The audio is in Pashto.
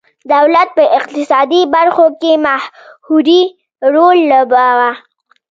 دولت په اقتصادي برخو کې محوري رول لوباوه.